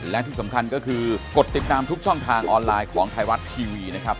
และที่สำคัญก็คือกดติดตามทุกช่องทางออนไลน์ของไทยรัฐทีวีนะครับ